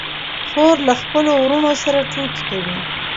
خور له خپلو وروڼو سره ټوکې کوي.